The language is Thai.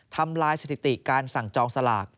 ทำลายสถิติการสั่งจองสลาก